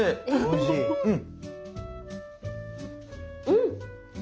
うん。